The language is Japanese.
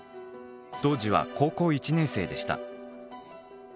当時は高校１年生でした。